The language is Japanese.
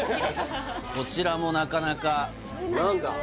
こちらもなかなか何だ？